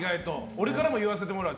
俺からも言わせてもらう。